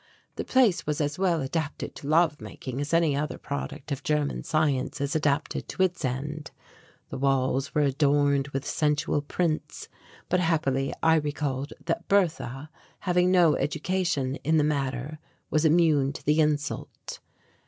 The place was as well adapted to love making as any other product of German science is adapted to its end. The walls were adorned with sensual prints; but happily I recalled that Bertha, having no education in the matter, was immune to the insult.